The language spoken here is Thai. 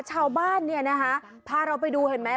ชาวบ้านเนี่ยนะคะพาเราไปดูเห็นไหม